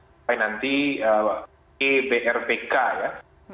terus kita nanti ke brpk ya